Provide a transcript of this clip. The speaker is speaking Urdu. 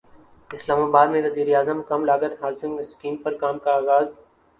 اسلام اباد میں وزیراعظم کم لاگت ہاسنگ اسکیم پر کام کا اغاز